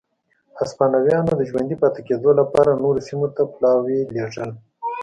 هسپانویانو د ژوندي پاتې کېدو لپاره نورو سیمو ته پلاوي لېږل.